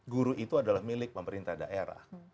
guru itu adalah milik pemerintah daerah